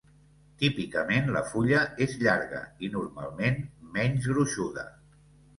Típicament la fulla és llarga i, normalment, menys gruixuda.